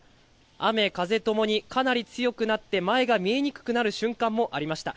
雨、風ともに、かなり強くなって、前が見えにくくなる瞬間もありました。